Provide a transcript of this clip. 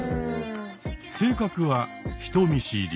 性格は人見知り。